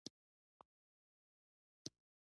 فضل ماته وویل زه اول یم